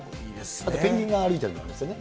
あとペンギンが歩いてるのがあるんですよね。